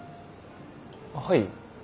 はい。